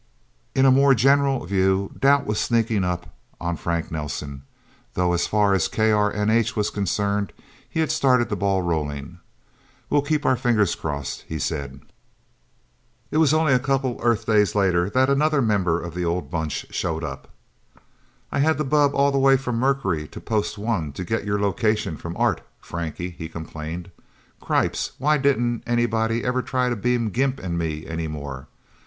In a more general view, doubts were sneaking up on Frank Nelsen, though as far as KRNH was concerned, he had started the ball rolling. "We'll keep our fingers crossed," he said. It was only a couple of Earth days later that another member of the old Bunch showed up. "I had to bubb all the way from Mercury to Post One to get your location from Art, Frankie," he complained. "Cripes why didn't anybody ever try to beam Gimp and me, anymore?